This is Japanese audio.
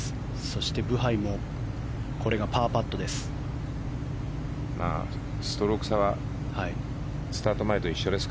そして、ブハイもこれがパーパットです。